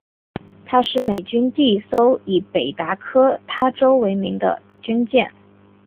她是美军第一艘以北达科他州为名的军舰。